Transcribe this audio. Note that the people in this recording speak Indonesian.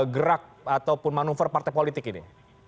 gerak ataupun manuver partai politik ini